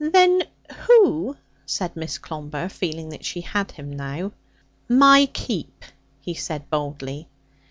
'Then who ' said Miss Clomber, feeling that she had him now. 'My keep,' he said baldly.